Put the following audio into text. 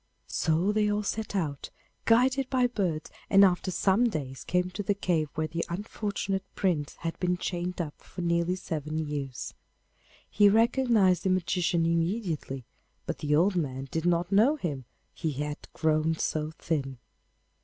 So they all set out, guided by birds, and after some days came to the cave where the unfortunate Prince had been chained up for nearly seven years. He recognised the magician immediately, but the old man did not know him, he had grown so thin.